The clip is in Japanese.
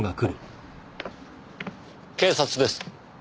警察です。